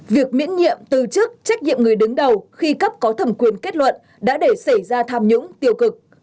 việc miễn nhiệm từ chức trách nhiệm người đứng đầu khi cấp có thẩm quyền kết luận đã để xảy ra tham nhũng tiêu cực